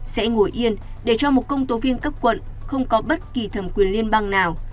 sẽ ngồi yên để cho một công tố viên cấp quận không có bất kỳ thẩm quyền liên bang nào